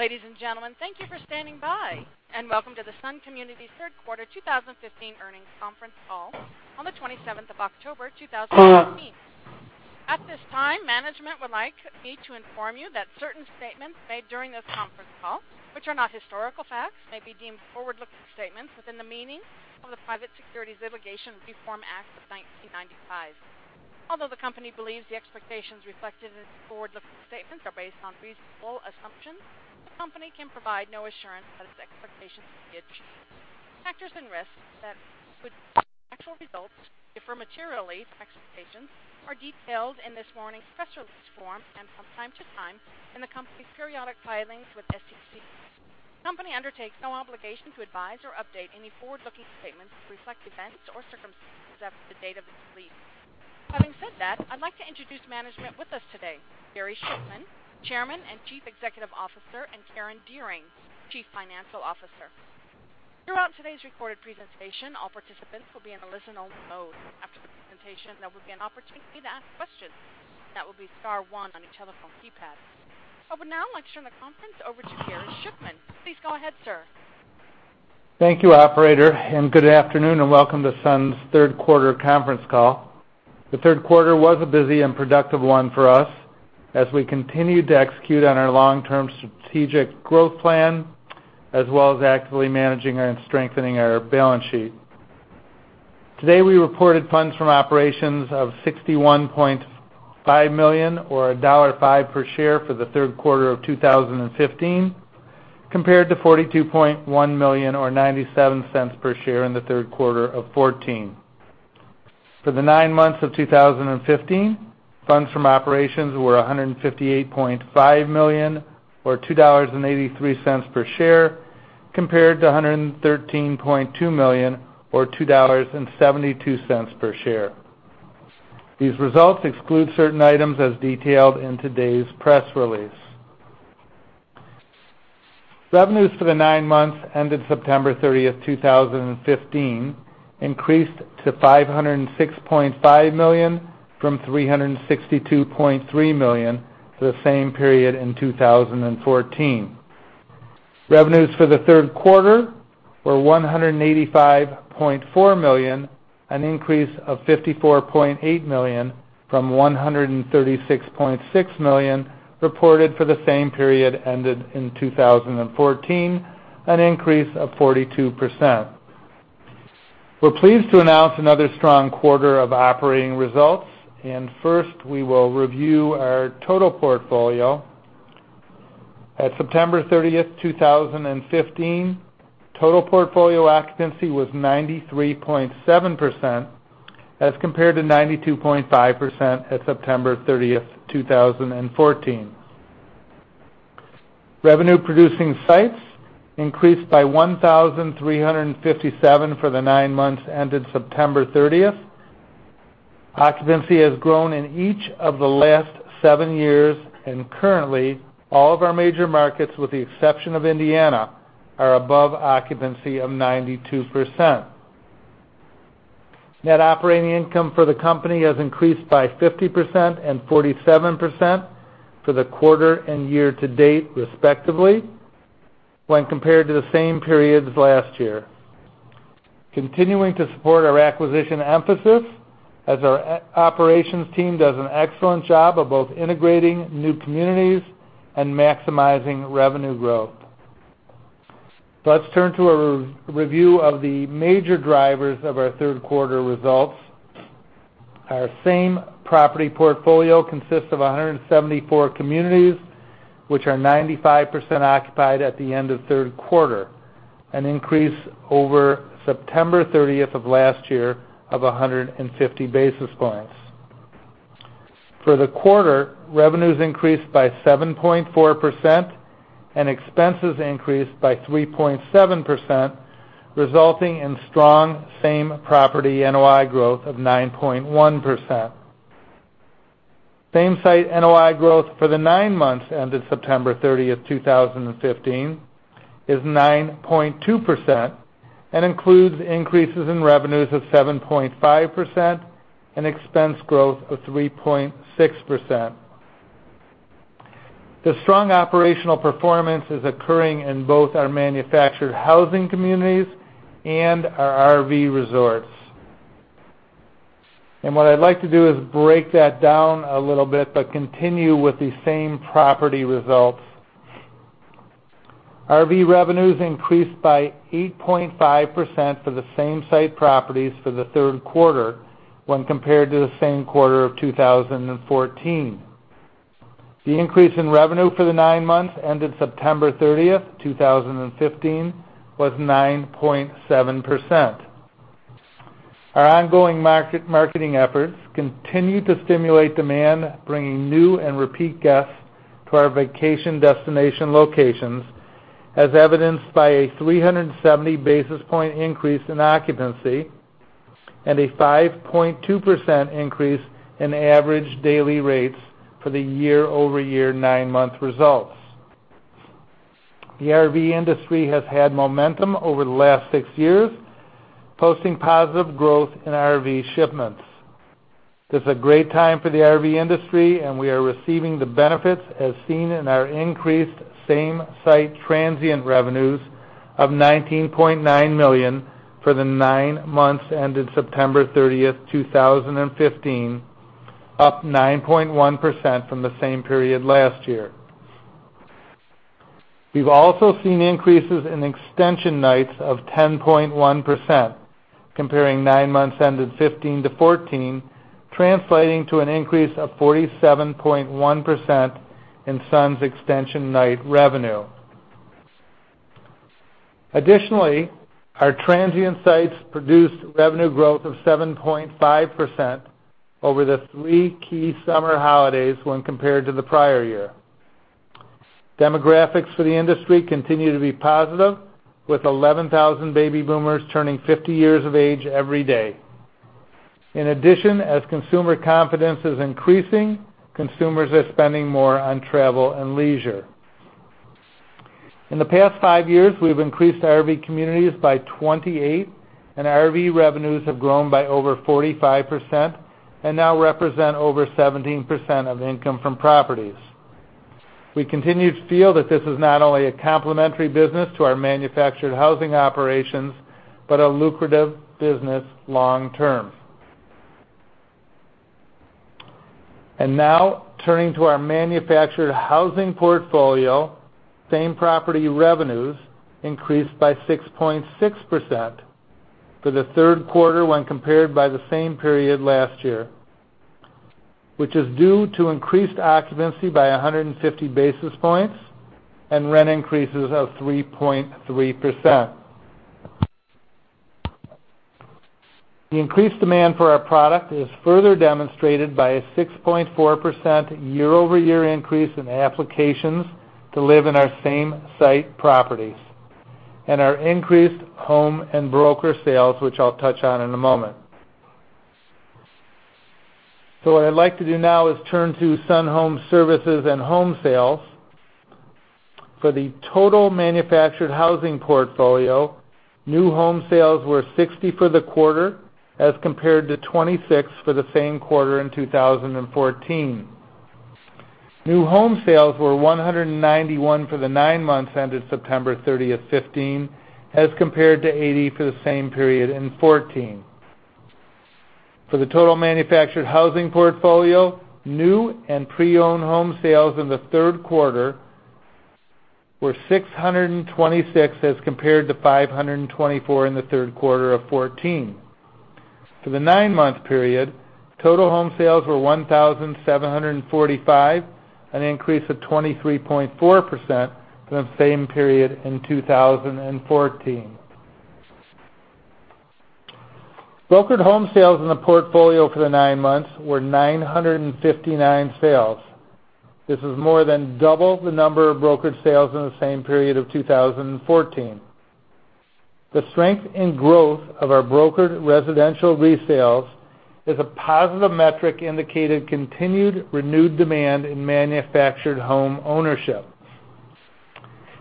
Ladies and gentlemen, thank you for standing by, and welcome to the Sun Communities Third Quarter 2015 Earnings Conference Call on the 27th of October, 2015. At this time, management would like me to inform you that certain statements made during this conference call, which are not historical facts, may be deemed forward-looking statements within the meaning of the Private Securities Litigation Reform Act of 1995. Although the company believes the expectations reflected in its forward-looking statements are based on reasonable assumptions, the company can provide no assurance that its expectations will be achieved. Factors and risks that could... Actual results differ materially from expectations are detailed in this morning's press release form and from time to time in the company's periodic filings with the SEC. The company undertakes no obligation to advise or update any forward-looking statements to reflect events or circumstances after the date of this release. Having said that, I'd like to introduce management with us today, Gary Shiffman, Chairman and Chief Executive Officer, and Karen Dearing, Chief Financial Officer. Throughout today's recorded presentation, all participants will be in a listen-only mode. After the presentation, there will be an opportunity to ask questions. That will be star one on your telephone keypad. I would now like to turn the conference over to Gary Shiffman. Please go ahead, sir. Thank you, operator, and good afternoon, and welcome to Sun's third quarter conference call. The third quarter was a busy and productive one for us as we continued to execute on our long-term strategic growth plan, as well as actively managing and strengthening our balance sheet. Today, we reported funds from operations of $61.5 million or $1.05 per share for the third quarter of 2015, compared to $42.1 million or $0.97 per share in the third quarter of 2014. For the nine months of 2015, funds from operations were $158.5 million or $2.83 per share, compared to $113.2 million or $2.72 per share. These results exclude certain items as detailed in today's press release. Revenues for the nine months ended September 30th, 2015, increased to $506.5 million from $362.3 million for the same period in 2014. Revenues for the third quarter were $185.4 million, an increase of $54.8 million from $136.6 million reported for the same period ended in 2014, an increase of 42%. We're pleased to announce another strong quarter of operating results, and first, we will review our total portfolio. At September 30th, 2015, total portfolio occupancy was 93.7%, as compared to 92.5% at September 30th, 2014. Revenue-producing sites increased by 1,357 for the nine months ended September 30th. Occupancy has grown in each of the last 7 years, and currently, all of our major markets, with the exception of Indiana, are above occupancy of 92%. Net operating income for the company has increased by 50% and 47% for the quarter and year to date, respectively, when compared to the same period as last year. Continuing to support our acquisition emphasis as our operations team does an excellent job of both integrating new communities and maximizing revenue growth. Let's turn to a review of the major drivers of our third quarter results. Our same property portfolio consists of 174 communities, which are 95% occupied at the end of third quarter, an increase over September 30th of last year of 150 basis points. For the quarter, revenues increased by 7.4% and expenses increased by 3.7%, resulting in strong same property NOI growth of 9.1%. Same-site NOI growth for the nine months ended September 30th, 2015, is 9.2% and includes increases in revenues of 7.5% and expense growth of 3.6%. The strong operational performance is occurring in both our manufactured housing communities and our RV resorts. And what I'd like to do is break that down a little bit, but continue with the same property results. RV revenues increased by 8.5% for the same site properties for the third quarter when compared to the same quarter of 2014. The increase in revenue for the 9 months ended September 30th, 2015, was 9.7%. Our ongoing marketing efforts continue to stimulate demand, bringing new and repeat guests to our vacation destination locations, as evidenced by a 370 basis point increase in occupancy and a 5.2% increase in average daily rates for the year-over-year 9-month results. The RV industry has had momentum over the last 6 years, posting positive growth in RV shipments.... This is a great time for the RV industry, and we are receiving the benefits, as seen in our increased same-site transient revenues of $19.9 million for the 9 months ended September 30th, 2015, up 9.1% from the same period last year. We've also seen increases in extension nights of 10.1%, comparing nine months ended 2015 to 2014, translating to an increase of 47.1% in Sun's extension night revenue. Additionally, our transient sites produced revenue growth of 7.5% over the three key summer holidays when compared to the prior year. Demographics for the industry continue to be positive, with 11,000 baby boomers turning 50 years of age every day. In addition, as consumer confidence is increasing, consumers are spending more on travel and leisure. In the past 5 years, we've increased RV communities by 28, and RV revenues have grown by over 45% and now represent over 17% of income from properties. We continue to feel that this is not only a complementary business to our manufactured housing operations, but a lucrative business long term. Now, turning to our manufactured housing portfolio, same-property revenues increased by 6.6% for the third quarter when compared by the same period last year, which is due to increased occupancy by 150 basis points and rent increases of 3.3%. The increased demand for our product is further demonstrated by a 6.4% year-over-year increase in applications to live in our same-site properties, and our increased home and broker sales, which I'll touch on in a moment. What I'd like to do now is turn to Sun Home Services and Home Sales. For the total manufactured housing portfolio, new home sales were 60 for the quarter, as compared to 26 for the same quarter in 2014. New home sales were 191 for the nine months ended September 30th, 2015, as compared to 80 for the same period in 2014. For the total manufactured housing portfolio, new and pre-owned home sales in the third quarter were 626, as compared to 524 in the third quarter of 2014. For the nine-month period, total home sales were 1,745, an increase of 23.4% from the same period in 2014. Brokered home sales in the portfolio for the nine months were 959 sales. This is more than double the number of brokered sales in the same period of 2014. The strength and growth of our brokered residential resales is a positive metric indicating continued renewed demand in manufactured home ownership.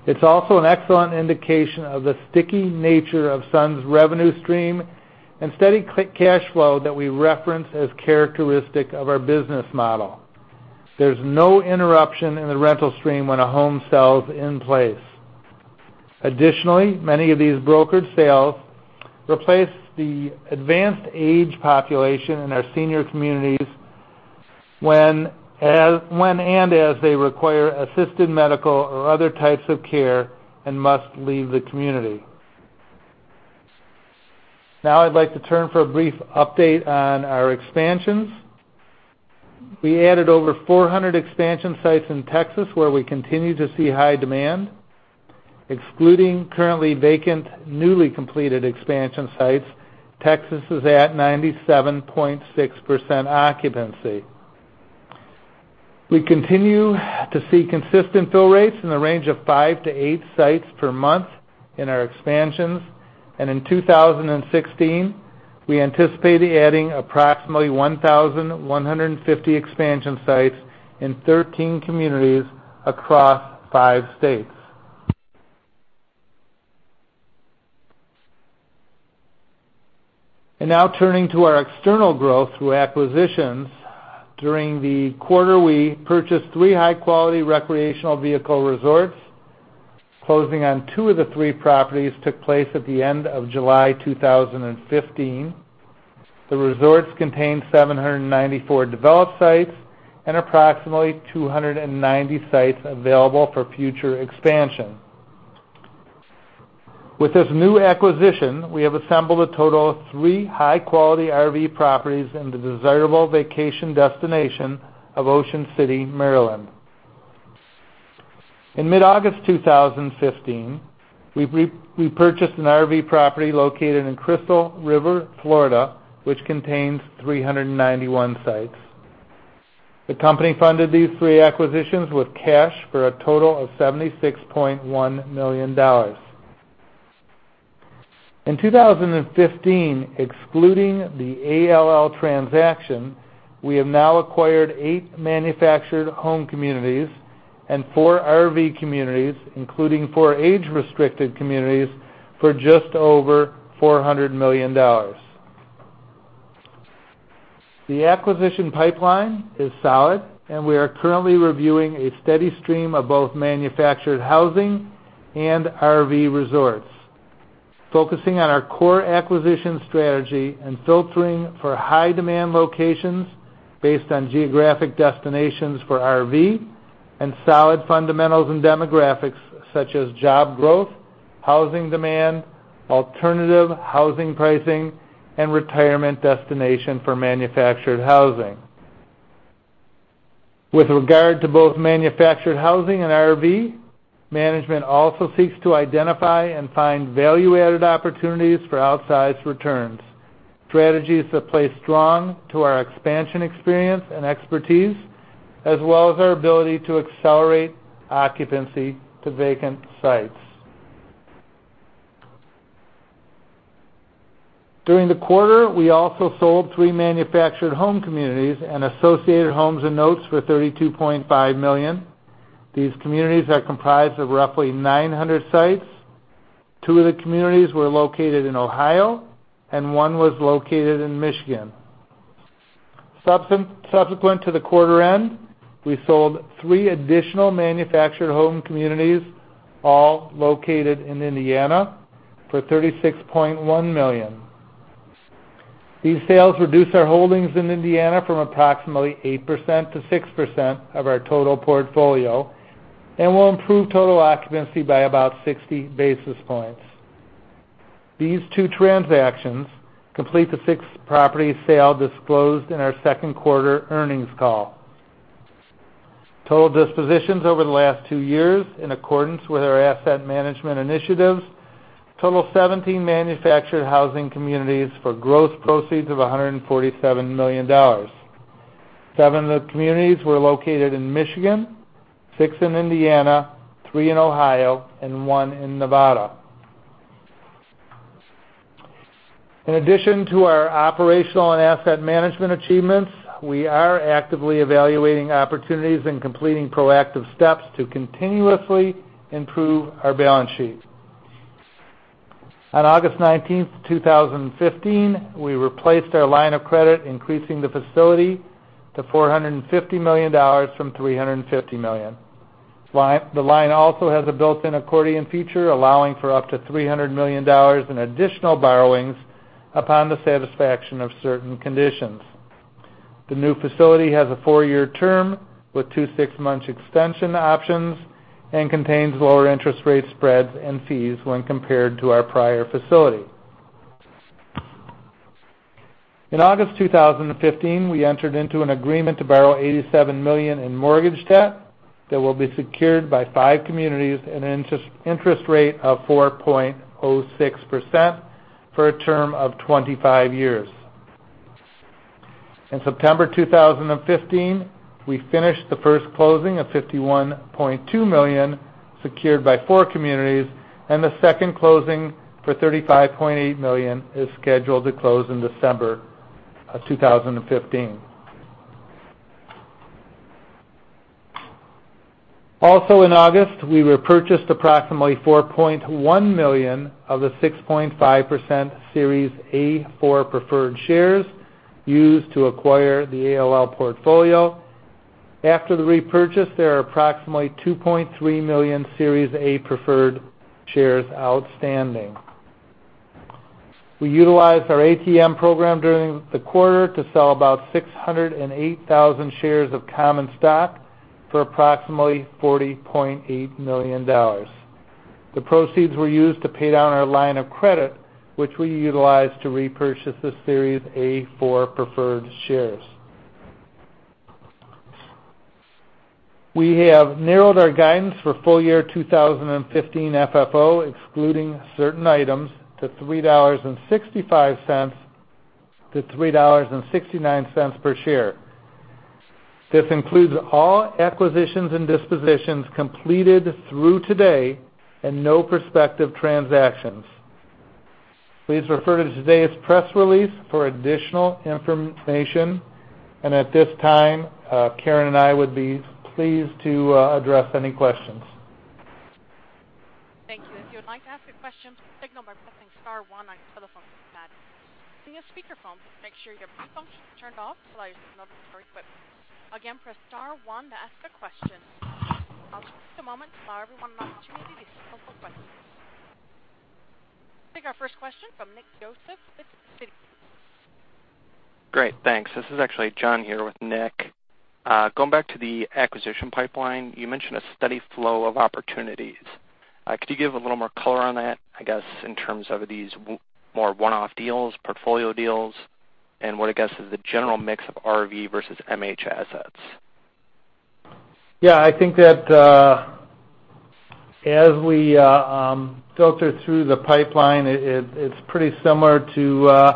It's also an excellent indication of the sticky nature of Sun's revenue stream and steady cash flow that we reference as characteristic of our business model. There's no interruption in the rental stream when a home sells in place. Additionally, many of these brokered sales replace the advanced age population in our senior communities when and as they require assisted medical or other types of care and must leave the community. Now, I'd like to turn for a brief update on our expansions. We added over 400 expansion sites in Texas, where we continue to see high demand. Excluding currently vacant, newly completed expansion sites, Texas is at 97.6% occupancy. We continue to see consistent fill rates in the range of 5-8 sites per month in our expansions, and in 2016, we anticipate adding approximately 1,150 expansion sites in 13 communities across five states. Now turning to our external growth through acquisitions. During the quarter, we purchased three high-quality recreational vehicle resorts. Closing on two of the three properties took place at the end of July 2015. The resorts contain 794 developed sites and approximately 290 sites available for future expansion. With this new acquisition, we have assembled a total of three high-quality RV properties in the desirable vacation destination of Ocean City, Maryland. In mid-August 2015, we purchased an RV property located in Crystal River, Florida, which contains 391 sites. The company funded these three acquisitions with cash for a total of $76.1 million. In 2015, excluding the ALL transaction, we have now acquired eight manufactured home communities and four RV communities, including four age-restricted communities, for just over $400 million. The acquisition pipeline is solid, and we are currently reviewing a steady stream of both manufactured housing and RV resorts, focusing on our core acquisition strategy and filtering for high-demand locations based on geographic destinations for RV and solid fundamentals and demographics, such as job growth, housing demand, alternative housing pricing, and retirement destination for manufactured housing. With regard to both manufactured housing and RV, management also seeks to identify and find value-added opportunities for outsized returns, strategies that play strong to our expansion experience and expertise, as well as our ability to accelerate occupancy to vacant sites. During the quarter, we also sold 3 manufactured home communities and associated homes and notes for $32.5 million. These communities are comprised of roughly 900 sites. Two of the communities were located in Ohio, and one was located in Michigan. Subsequent to the quarter end, we sold 3 additional manufactured home communities, all located in Indiana, for $36.1 million. These sales reduce our holdings in Indiana from approximately 8% to 6% of our total portfolio and will improve total occupancy by about 60 basis points. These two transactions complete the six property sale disclosed in our second quarter earnings call. Total dispositions over the last two years, in accordance with our asset management initiatives, total 17 manufactured housing communities for gross proceeds of $147 million. Seven of the communities were located in Michigan, six in Indiana, three in Ohio, and one in Nevada. In addition to our operational and asset management achievements, we are actively evaluating opportunities and completing proactive steps to continuously improve our balance sheet. On` August 19th, 2015, we replaced our line of credit, increasing the facility to $450 million from $350 million. The line also has a built-in accordion feature, allowing for up to $300 million in additional borrowings upon the satisfaction of certain conditions. The new facility has a 4-year term, with two 6-month extension options, and contains lower interest rate spreads and fees when compared to our prior facility. In August 2015, we entered into an agreement to borrow $87 million in mortgage debt that will be secured by 5 communities and an interest rate of 4.06% for a term of 25 years. In September 2015, we finished the first closing of $51.2 million, secured by four communities, and the second closing for $35.8 million is scheduled to close in December of 2015. Also, in August, we repurchased approximately 4.1 million of the 6.5% Series A4 Preferred Shares used to acquire the ALL portfolio. After the repurchase, there are approximately 2.3 million Series A Preferred Shares outstanding. We utilized our ATM program during the quarter to sell about 608,000 shares of common stock for approximately $40.8 million. The proceeds were used to pay down our line of credit, which we utilized to repurchase the Series A4 Preferred Shares. We have narrowed our guidance for full year 2015 FFO, excluding certain items, to $3.65-$3.69 per share. This includes all acquisitions and dispositions completed through today and no prospective transactions. Please refer to today's press release for additional information. At this time, Karen and I would be pleased to address any questions. Thank you. If you would like to ask a question, signal by pressing star one on your telephone pad. If you're using a speakerphone, make sure your mute function is turned off so that it doesn't interrupt our equipment. Again, press star one to ask a question. I'll just take a moment to allow everyone an opportunity to submit their questions. We'll take our first question from Nick Joseph with Citi. Great, thanks. This is actually John here with Nick. Going back to the acquisition pipeline, you mentioned a steady flow of opportunities. Could you give a little more color on that, I guess, in terms of these more one-off deals, portfolio deals, and what I guess is the general mix of RV versus MH assets? Yeah, I think that, as we filter through the pipeline, it's pretty similar to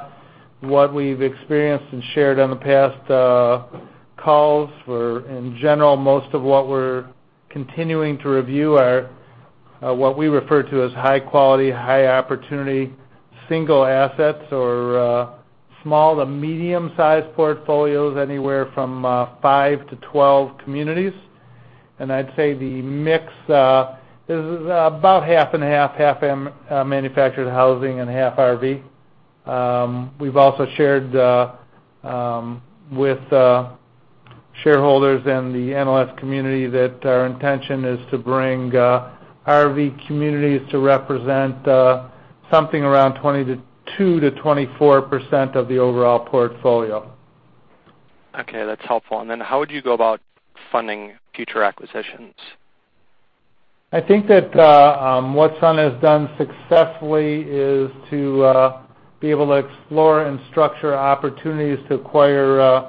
what we've experienced and shared on the past calls, where, in general, most of what we're continuing to review are what we refer to as high quality, high opportunity, single assets or small to medium-sized portfolios, anywhere from 5 to 12 communities. And I'd say the mix is about half and half, half manufactured housing and half RV. We've also shared with shareholders and the analyst community that our intention is to bring RV communities to represent something around 20 to 22 to 24% of the overall portfolio. Okay, that's helpful. And then how would you go about funding future acquisitions? I think that what Sun has done successfully is to be able to explore and structure opportunities to acquire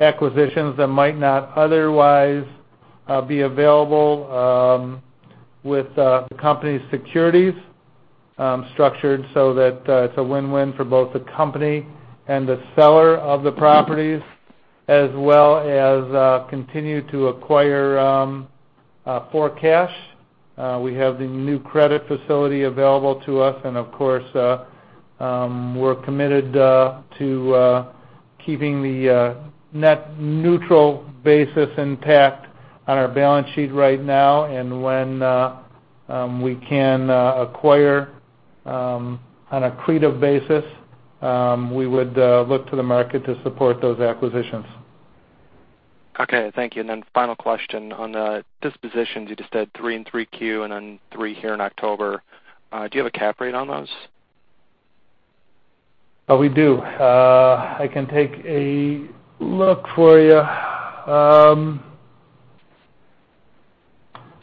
acquisitions that might not otherwise be available with the company's securities structured so that it's a win-win for both the company and the seller of the properties, as well as continue to acquire for cash. We have the new credit facility available to us, and of course, we're committed to keeping the net neutral basis intact on our balance sheet right now. And when we can acquire on accretive basis, we would look to the market to support those acquisitions. Okay. Thank you. And then final question, on the dispositions, you just said three in 3Q and then three here in October. Do you have a cap rate on those? We do. I can take a look for you.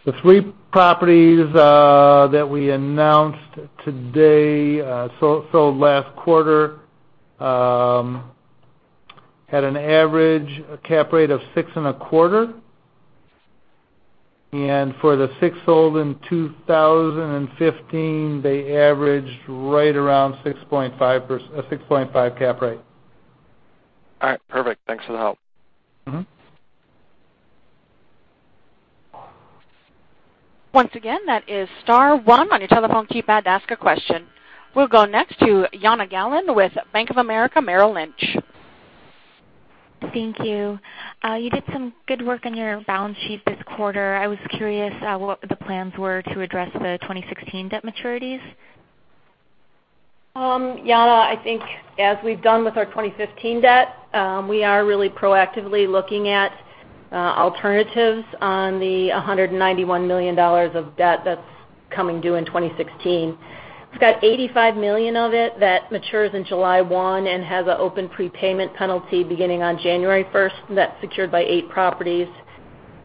The three properties that we announced today, so, sold last quarter, had an average cap rate of 6.25. For the six sold in 2015, they averaged right around 6.5%—a 6.5 cap rate. All right, perfect. Thanks for the help. Mm-hmm. Once again, that is star one on your telephone keypad to ask a question. We'll go next to Jana Galan with Bank of America Merrill Lynch. Thank you. You did some good work on your balance sheet this quarter. I was curious, what the plans were to address the 2016 debt maturities? Jana, I think as we've done with our 2015 debt, we are really proactively looking at alternatives on the $191 million of debt that's coming due in 2016. We've got $85 million of it that matures in July 1 and has an open prepayment penalty beginning on January 1st, and that's secured by eight properties.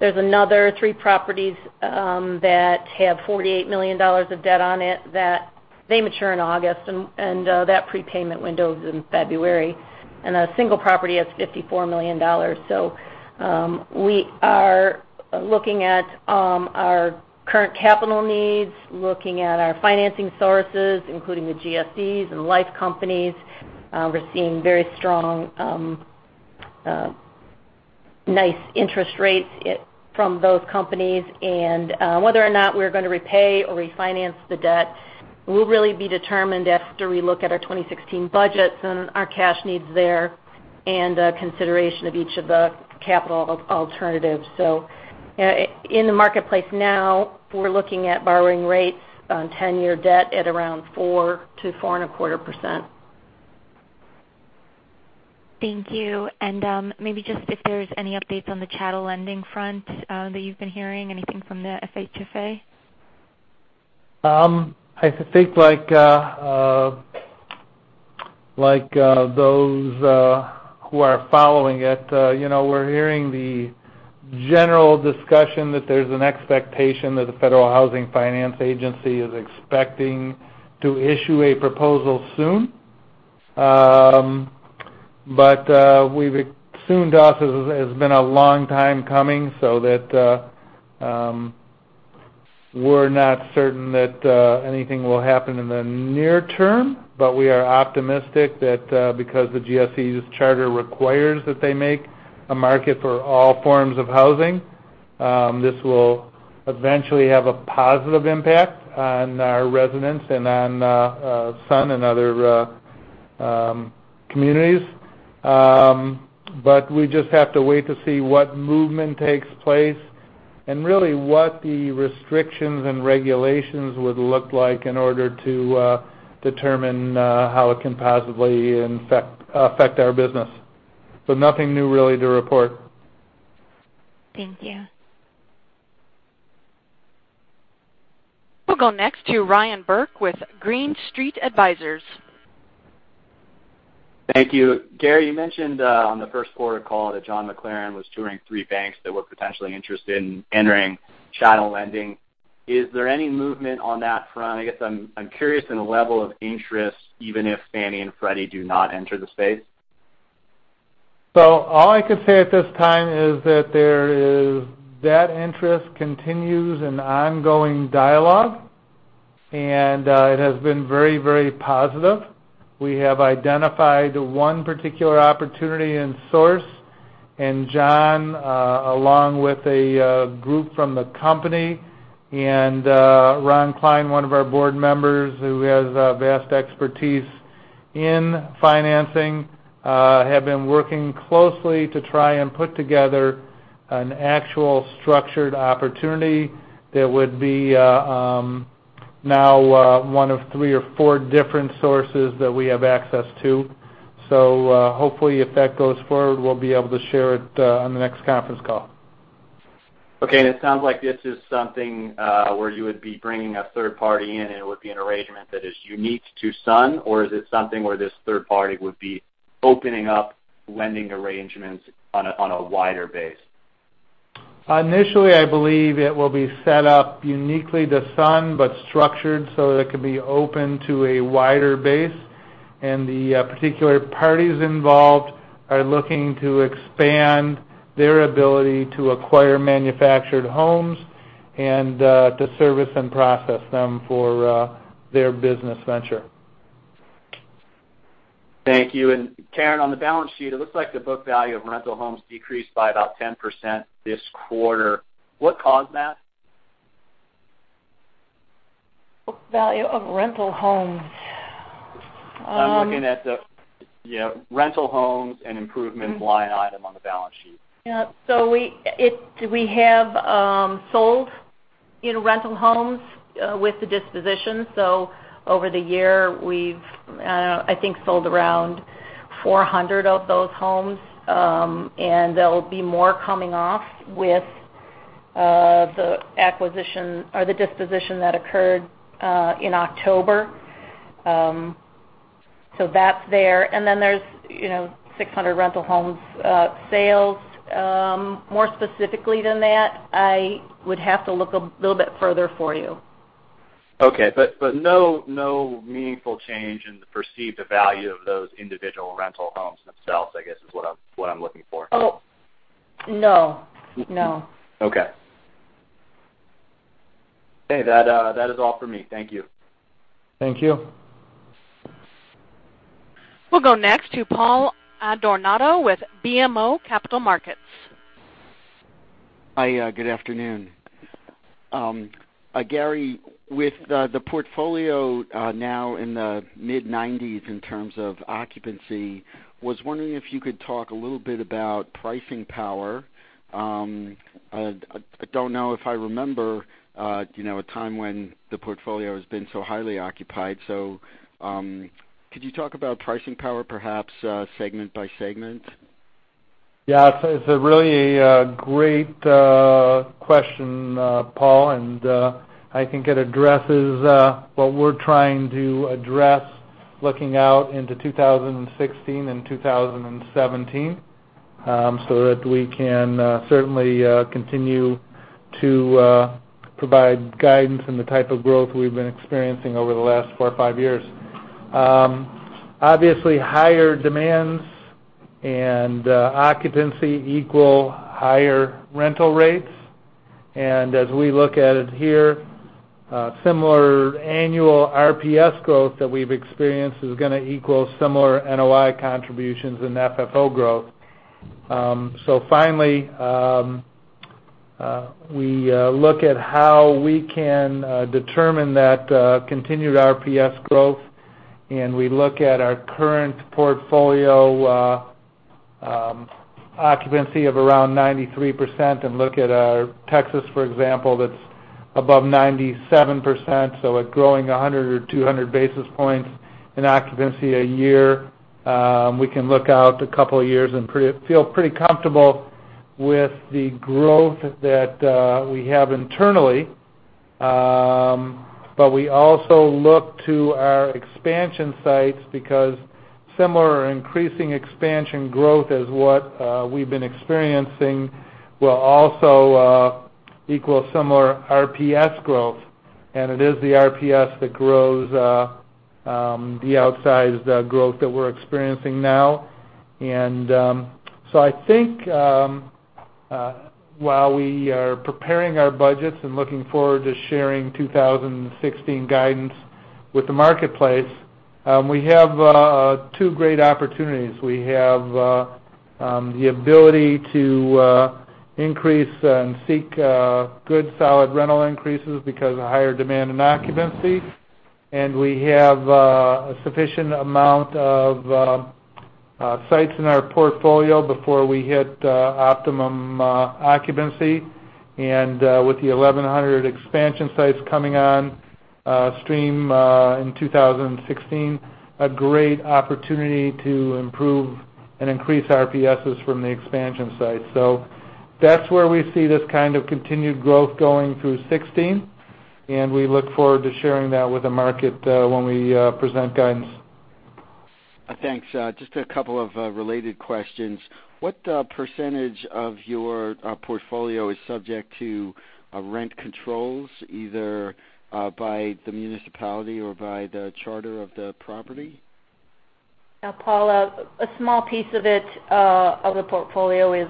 There's another three properties that have $48 million of debt on it, that they mature in August, and that prepayment window is in February, and a single property that's $54 million. So, we are looking at our current capital needs, looking at our financing sources, including the GSEs and life companies. We're seeing very strong nice interest rates from those companies. And, whether or not we're going to repay or refinance the debt, will really be determined after we look at our 2016 budgets and our cash needs there, and, consideration of each of the capital alternatives. So, in the marketplace now, we're looking at borrowing rates on 10-year debt at around 4%-4.25%. Thank you. Maybe just if there's any updates on the chattel lending front that you've been hearing, anything from the FHFA? I think like, like, those who are following it, you know, we're hearing the general discussion that there's an expectation that the Federal Housing Finance Agency is expecting to issue a proposal soon. But, we've assumed also has, has been a long time coming, so that, we're not certain that, anything will happen in the near term. But we are optimistic that, because the GSE's charter requires that they make a market for all forms of housing, this will eventually have a positive impact on our residents and on, Sun and other, communities. But we just have to wait to see what movement takes place and really what the restrictions and regulations would look like in order to, determine, how it can positively infect-- affect our business. Nothing new, really, to report. Thank you. We'll go next to Ryan Burke with Green Street Advisors. Thank you. Gary, you mentioned on the first quarter call that John McLaren was touring three banks that were potentially interested in entering chattel lending. Is there any movement on that front? I guess I'm curious in the level of interest, even if Fannie and Freddie do not enter the space. So all I can say at this time is that that interest continues in ongoing dialogue and it has been very, very positive. We have identified one particular opportunity in source, and John along with a group from the company, and Ron Klein, one of our board members, who has vast expertise in financing, have been working closely to try and put together an actual structured opportunity that would be now one of three or four different sources that we have access to. So hopefully, if that goes forward, we'll be able to share it on the next conference call. Okay. And it sounds like this is something where you would be bringing a third party in, and it would be an arrangement that is unique to Sun, or is it something where this third party would be opening up lending arrangements on a wider base? Initially, I believe it will be set up uniquely to Sun, but structured so that it can be open to a wider base. And the particular parties involved are looking to expand their ability to acquire manufactured homes and to service and process them for their business venture. Thank you. Karen, on the balance sheet, it looks like the book value of rental homes decreased by about 10% this quarter. What caused that? Value of rental homes, I'm looking at the, yeah, rental homes and improvement line item on the balance sheet. Yeah. So we have sold, you know, rental homes with the disposition. So over the year, we've, I think, sold around 400 of those homes. And there'll be more coming off with the acquisition or the disposition that occurred in October. So that's there. And then there's, you know, 600 rental homes sales. More specifically than that, I would have to look a little bit further for you. Okay. But, but no, no meaningful change in the perceived value of those individual rental homes themselves, I guess, is what I'm, what I'm looking for. Oh, no, no. Okay. Okay, that, that is all for me. Thank you. Thank you. We'll go next to Paul Adornato with BMO Capital Markets. Hi, good afternoon. Gary, with the portfolio now in the mid-90s in terms of occupancy, was wondering if you could talk a little bit about pricing power. I don't know if I remember, you know, a time when the portfolio has been so highly occupied. So, could you talk about pricing power, perhaps, segment by segment? Yeah. It's a really great question, Paul, and I think it addresses what we're trying to address looking out into 2016 and 2017, so that we can certainly continue to provide guidance in the type of growth we've been experiencing over the last four or five years. Obviously, higher demands and occupancy equal higher rental rates. And as we look at it here, similar annual RPS growth that we've experienced is gonna equal similar NOI contributions and FFO growth. So finally, we look at how we can determine that continued RPS growth, and we look at our current portfolio occupancy of around 93% and look at Texas, for example, that's above 97%, so we're growing 100 or 200 basis points in occupancy a year. We can look out a couple of years and feel pretty comfortable with the growth that we have internally. But we also look to our expansion sites because similar increasing expansion growth as what we've been experiencing will also equal similar RPS growth, and it is the RPS that grows the outsized growth that we're experiencing now. So I think, while we are preparing our budgets and looking forward to sharing 2016 guidance with the marketplace, we have two great opportunities. We have the ability to increase and seek good, solid rental increases because of higher demand and occupancy, and we have a sufficient amount of sites in our portfolio before we hit optimum occupancy. And with the 1,100 expansion sites coming on stream in 2016, a great opportunity to improve and increase RPSs from the expansion site. So that's where we see this kind of continued growth going through 2016, and we look forward to sharing that with the market when we present guidance. Thanks. Just a couple of related questions. What percentage of your portfolio is subject to rent controls, either by the municipality or by the charter of the property?... Paul, a small piece of it, of the portfolio is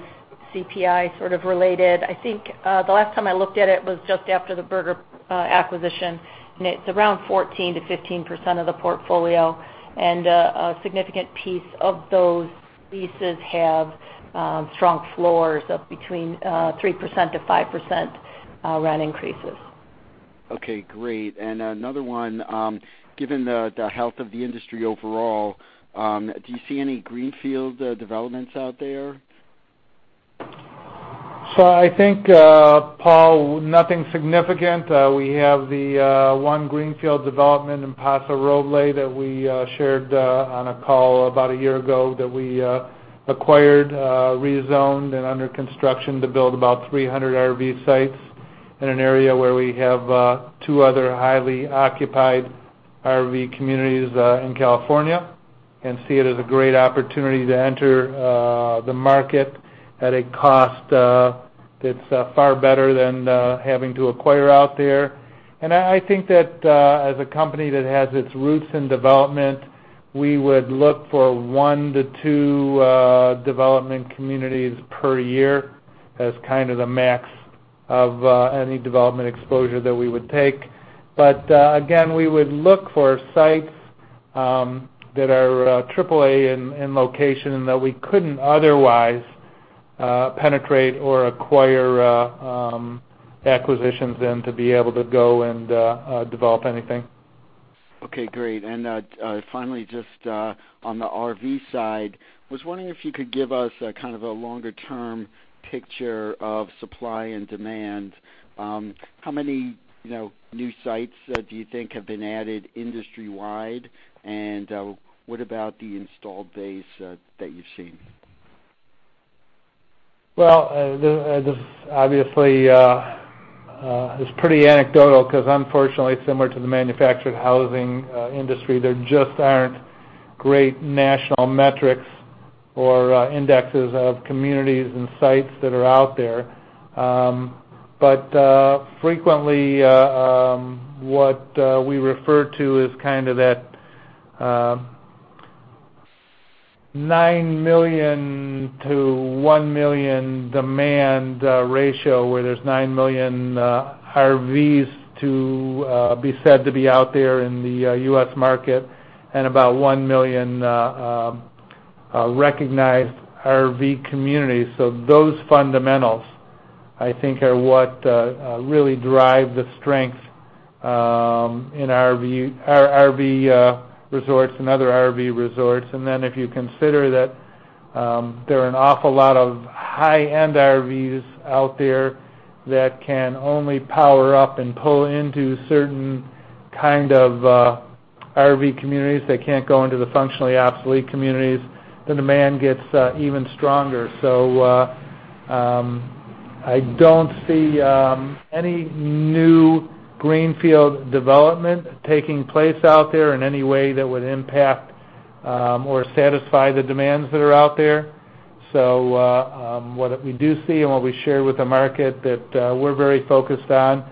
CPI sort of related. I think, the last time I looked at it was just after the Burger acquisition, and it's around 14%-15% of the portfolio, and a significant piece of those leases have strong floors of between 3%-5% rent increases. Okay, great. And another one, given the health of the industry overall, do you see any greenfield developments out there? So I think, Paul, nothing significant. We have the one greenfield development in Paso Robles that we shared on a call about a year ago, that we acquired, rezoned and under construction to build about 300 RV sites in an area where we have two other highly occupied RV communities in California. And see it as a great opportunity to enter the market at a cost that's far better than having to acquire out there. And I think that, as a company that has its roots in development, we would look for 1-2 development communities per year as kind of the max of any development exposure that we would take. But again, we would look for sites that are triple-A in location, and that we couldn't otherwise penetrate or acquire acquisitions then to be able to go and develop anything. Okay, great. And, finally, just on the RV side, was wondering if you could give us a kind of a longer-term picture of supply and demand. How many, you know, new sites do you think have been added industry-wide? And, what about the installed base that you've seen? Well, this obviously is pretty anecdotal because unfortunately, similar to the manufactured housing industry, there just aren't great national metrics or indexes of communities and sites that are out there. But frequently, what we refer to as kind of that 9 million-1 million demand ratio, where there's 9 million RVs to be said to be out there in the U.S. market and about 1 million recognized RV communities. So those fundamentals, I think, are what really drive the strength in our RV resorts and other RV resorts. And then if you consider that, there are an awful lot of high-end RVs out there that can only power up and pull into certain kind of RV communities, they can't go into the functionally obsolete communities, the demand gets even stronger. So, I don't see any new greenfield development taking place out there in any way that would impact or satisfy the demands that are out there. So, what we do see and what we share with the market that we're very focused on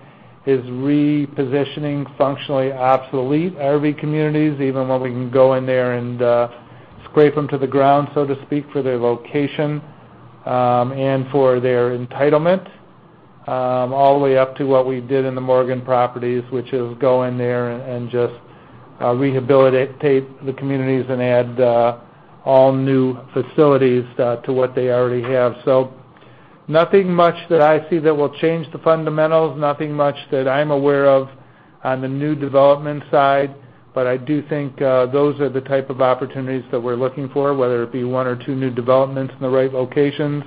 is repositioning functionally obsolete RV communities, even when we can go in there and scrape them to the ground, so to speak, for their location and for their entitlement, all the way up to what we did in the Morgan properties, which is go in there and just rehabilitate the communities and add all new facilities to what they already have. So nothing much that I see that will change the fundamentals. Nothing much that I'm aware of on the new development side, but I do think those are the type of opportunities that we're looking for, whether it be one or two new developments in the right locations,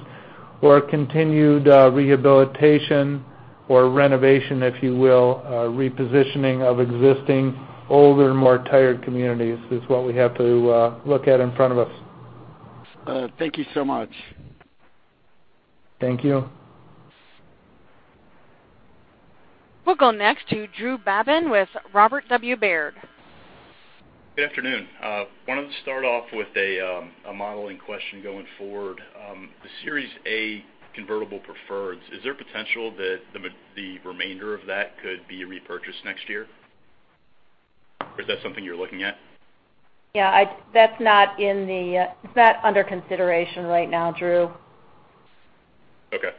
or continued rehabilitation or renovation, if you will, repositioning of existing, older, more tired communities, is what we have to look at in front of us. Thank you so much. Thank you. We'll go next to Drew Babin with Robert W. Baird. Good afternoon. Wanted to start off with a modeling question going forward. The Series A convertible preferreds, is there potential that the remainder of that could be repurchased next year? Or is that something you're looking at? Yeah, that's not in the... It's not under consideration right now, Drew. Okay.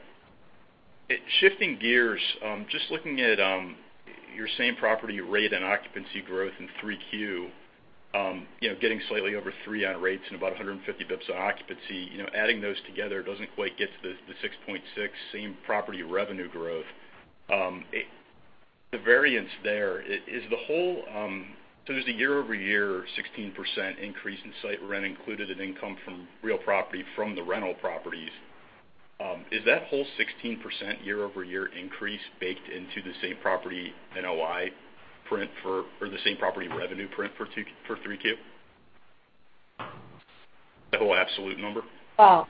Shifting gears, just looking at your same-Property rate and occupancy growth in 3Q, you know, getting slightly over 3 on rates and about 150 BPS on occupancy, you know, adding those together doesn't quite get to the 6.6 same-Property revenue growth. The variance there is the whole... So there's a year-over-year 16% increase in site rent included in income from real property from the rental properties. Is that whole 16% year-over-year increase baked into the same-Property NOI print or the same-Property revenue print for 3Q? The whole absolute number. Wow!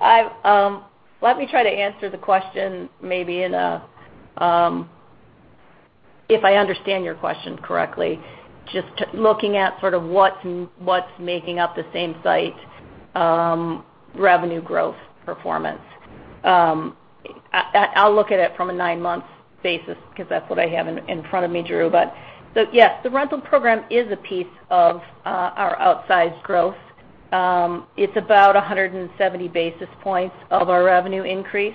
I'm... Let me try to answer the question, maybe in a, if I understand your question correctly, just looking at sort of what's, what's making up the same site revenue growth performance.... I'll look at it from a nine-month basis because that's what I have in front of me, Drew. But so yes, the rental program is a piece of our outsized growth. It's about 170 basis points of our revenue increase.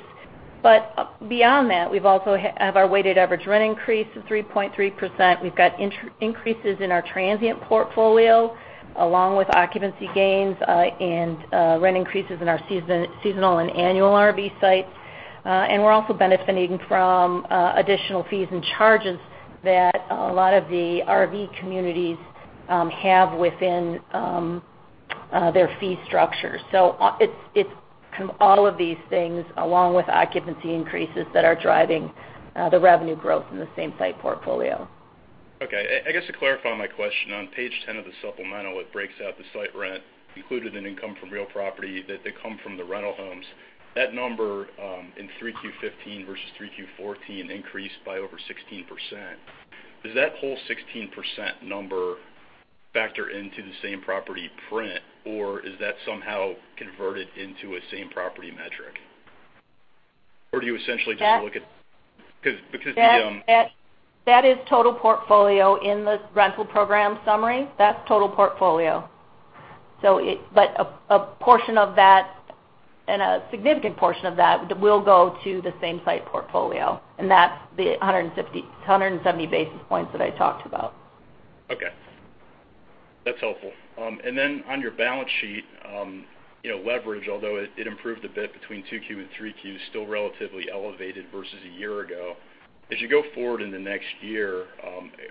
But beyond that, we've also have our weighted average rent increase of 3.3%. We've got increases in our transient portfolio, along with occupancy gains, and rent increases in our seasonal and annual RV sites. And we're also benefiting from additional fees and charges that a lot of the RV communities have within their fee structure. So it's kind of all of these things, along with occupancy increases, that are driving the revenue growth in the same-site portfolio. Okay. I, I guess to clarify my question, on page ten of the supplemental, it breaks out the site rent included in income from real property, that they come from the rental homes. That number, in 3Q15 versus 3Q14 increased by over 16%. Does that whole 16% number factor into the same-property print, or is that somehow converted into a same-property metric? Or do you essentially just look at- That- Because the That is total portfolio in the rental program summary. That's total portfolio. So a portion of that, and a significant portion of that, will go to the same-site portfolio, and that's the 150-170 basis points that I talked about. Okay. That's helpful. And then on your balance sheet, you know, leverage, although it improved a bit between 2Q and 3Q, is still relatively elevated versus a year ago. As you go forward in the next year,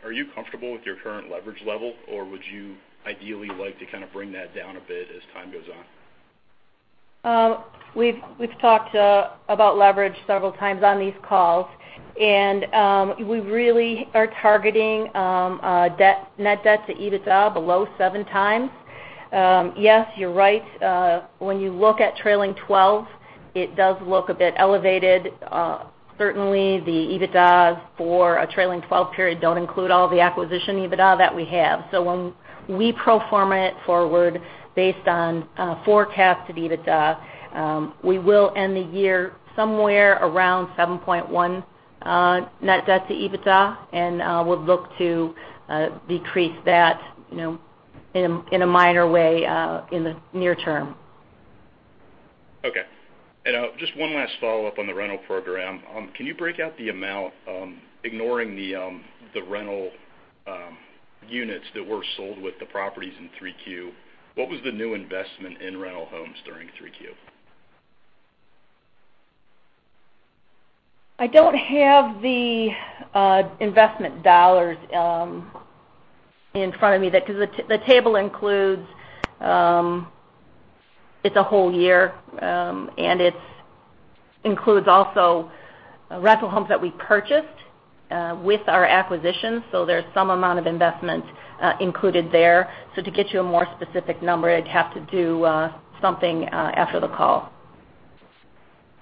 are you comfortable with your current leverage level, or would you ideally like to kind of bring that down a bit as time goes on? We've talked about leverage several times on these calls, and we really are targeting net debt to EBITDA below 7x. Yes, you're right. When you look at trailing twelve, it does look a bit elevated. Certainly, the EBITDA for a trailing-twelve period don't include all the acquisition EBITDA that we have. So when we pro forma it forward based on forecasted EBITDA, we will end the year somewhere around 7.1 net debt to EBITDA, and we'll look to decrease that, you know, in a minor way in the near term. Okay. And, just one last follow-up on the rental program. Can you break out the amount, ignoring the, the rental, units that were sold with the properties in 3Q? What was the new investment in rental homes during 3Q? I don't have the investment dollars in front of me that... 'Cause the table includes, it's a whole year, and it's includes also rental homes that we purchased with our acquisitions, so there's some amount of investment included there. So to get you a more specific number, I'd have to do something after the call.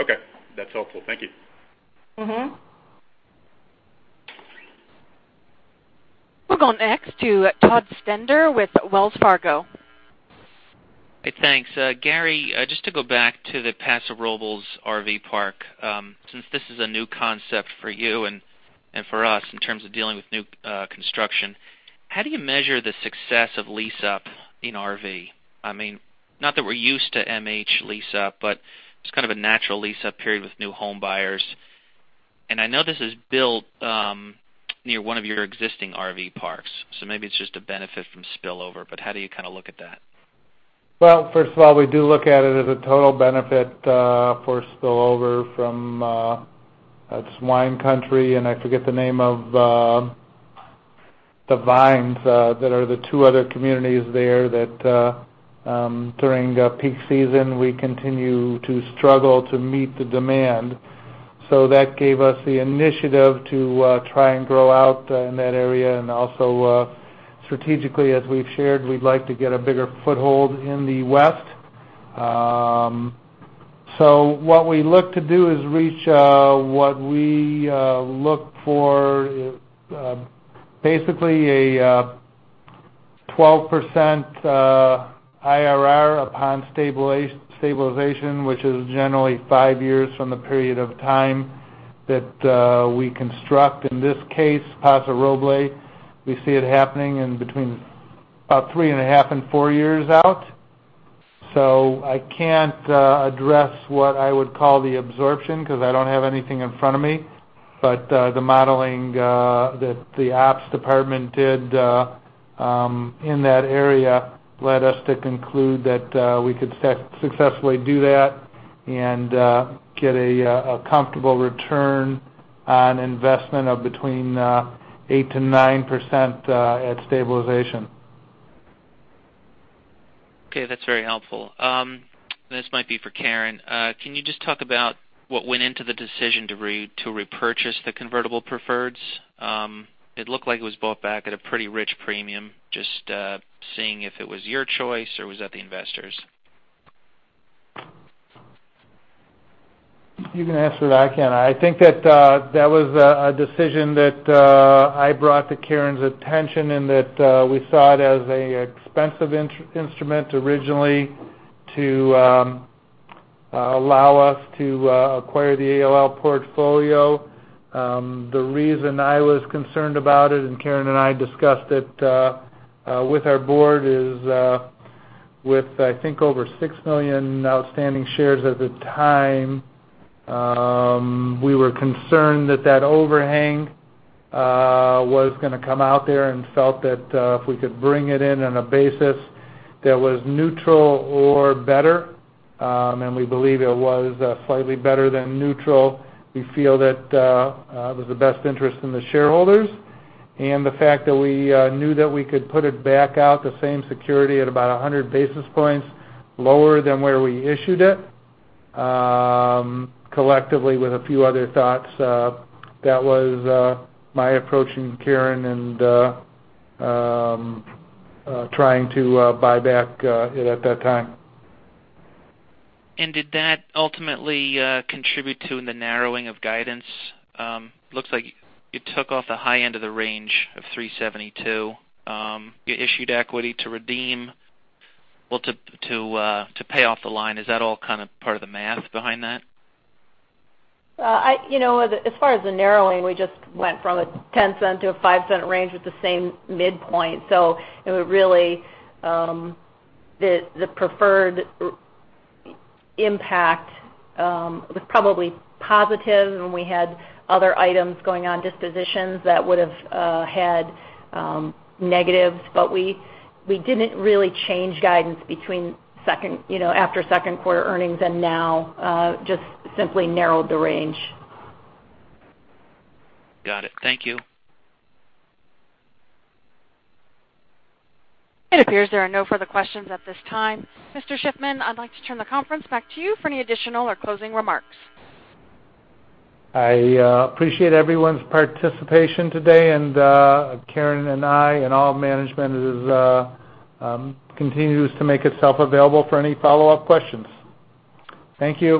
Okay. That's helpful. Thank you. Mm-hmm. We'll go next to Todd Stender with Wells Fargo. Hey, thanks. Gary, just to go back to the Paso Robles RV park, since this is a new concept for you and for us in terms of dealing with new construction, how do you measure the success of lease-up in RV? I mean, not that we're used to MH lease-up, but it's kind of a natural lease-up period with new home buyers. And I know this is built near one of your existing RV parks, so maybe it's just a benefit from spillover, but how do you kind of look at that? Well, first of all, we do look at it as a total benefit for spillover from it. It's Wine Country, and I forget the name of the Vines that are the two other communities there that during the peak season, we continue to struggle to meet the demand. So that gave us the initiative to try and grow out in that area. And also, strategically, as we've shared, we'd like to get a bigger foothold in the West. So what we look to do is reach what we look for, basically a 12% IRR upon stabilization, which is generally 5 years from the period of time that we construct. In this case, Paso Robles, we see it happening in between about 3.5-4 years out. So I can't address what I would call the absorption, because I don't have anything in front of me. But the modeling that the ops department did in that area led us to conclude that we could successfully do that and get a comfortable return on investment of between 8%-9% at stabilization. Okay, that's very helpful. This might be for Karen. Can you just talk about what went into the decision to repurchase the convertible preferreds? It looked like it was bought back at a pretty rich premium. Just seeing if it was your choice, or was that the investors? You can answer that, Karen. I think that that was a decision that I brought to Karen's attention, and that we saw it as an expensive instrument originally to allow us to acquire the ALL portfolio. The reason I was concerned about it, and Karen and I discussed it with our board, is, with, I think, over 6 million outstanding shares at the time, we were concerned that that overhang was gonna come out there and felt that, if we could bring it in on a basis that was neutral or better, and we believe it was slightly better than neutral, we feel that it was the best interest of the shareholders. And the fact that we knew that we could put it back out the same security at about 100 basis points lower than where we issued it, collectively, with a few other thoughts, that was my approach and Karen and trying to buy back it at that time. Did that ultimately contribute to the narrowing of guidance? Looks like you took off the high end of the range of $3.72. You issued equity to redeem—well, to pay off the line. Is that all kind of part of the math behind that? You know, as far as the narrowing, we just went from a $0.10-$0.05 range with the same midpoint. So it would really, the preferred impact was probably positive, and we had other items going on, dispositions that would've had negatives. But we didn't really change guidance between second quarter earnings and now, just simply narrowed the range. Got it. Thank you. It appears there are no further questions at this time. Mr. Shiffman, I'd like to turn the conference back to you for any additional or closing remarks. I appreciate everyone's participation today, and Karen and I, and all of management is continues to make itself available for any follow-up questions. Thank you.